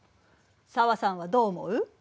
紗和さんはどう思う？